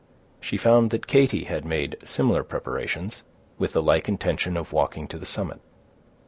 She found that Katy had made similar preparations, with the like intention of walking to the summit.